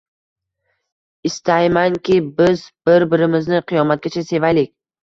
Istaymanki, biz bir-birmizni qiyomatgacha sevaylik.